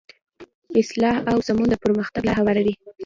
اصلاح او سمون د پرمختګ لاره هواروي.